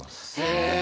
へえ！